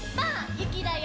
ゆきだよ。